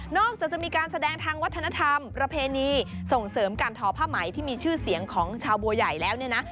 จากจะมีการแสดงทางวัฒนธรรมประเพณีส่งเสริมการทอผ้าไหมที่มีชื่อเสียงของชาวบัวใหญ่แล้วเนี่ยนะ